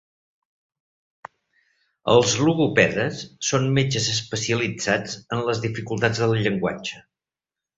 Els logopedes són metges especialitzats en les dificultats del llenguatge.